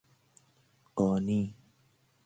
قانی